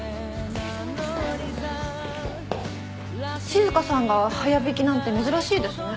静さんが早引きなんて珍しいですね。